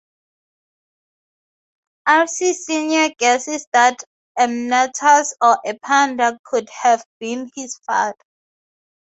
R C Senior guesses that Amyntas or Epander could have been his father.